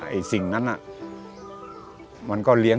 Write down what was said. ทำด้วยความรู้ของตัวเองที่ตัวเองรู้แค่นั้น